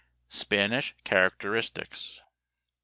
Spanish Characteristics.